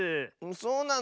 そうなの？